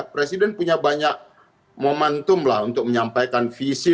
presiden punya banyak momentum lah untuk menyampaikan visi